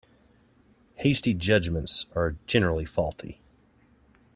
Hasty judgements are generally faulty.